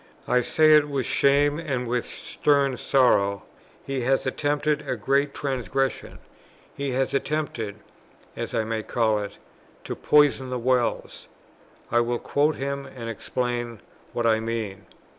I say it with shame and with stern sorrow; he has attempted a great transgression; he has attempted (as I may call it) to poison the wells. I will quote him and explain what I mean....